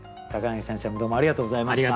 柳先生もどうもありがとうございました。